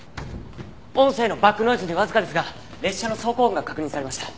音声のバックノイズにわずかですが列車の走行音が確認されました。